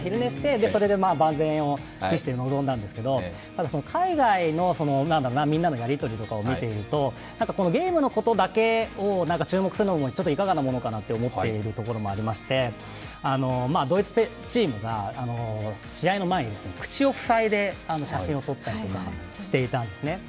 それで万全を期して臨んだんですけれどもただ、海外のみんなのやり取りとかを見ていると、ゲームのことだけを注目するのも、ちょっといかがなものかなと思っているところもありましてドイツチームが試合の前口を塞いで写真を撮ったりとかしていたんですね。